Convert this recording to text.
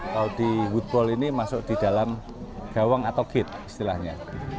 kalau di woodball ini masuk di dalam gawang atau gate istilahnya